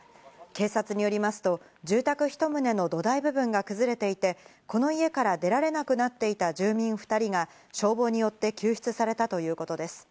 警察によりますと住宅１棟の土台部分が崩れていて、この家から出られなくなっていた住民２人が、消防によって救出されたということです。